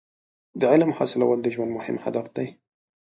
• د علم حاصلول د ژوند مهم هدف دی.